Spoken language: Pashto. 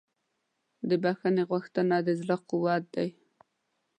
د بښنې غوښتنه د زړه قوت دی.